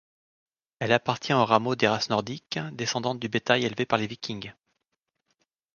Elle appartient au rameau des races nordiques, descendante du bétail élevé par les Vikings.